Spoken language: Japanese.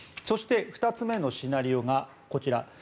そして２つ目のシナリオがこちら。